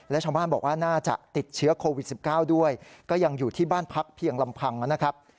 และชาวบ้านบอกว่าน่าจะติดเชื้อโควิด๑๙ด้วยก็ยังอยู่ที่บ้านพักเพียงลำพังนะครับ